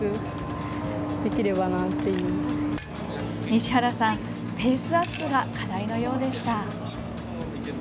西原さん、ペースアップが課題のようでした。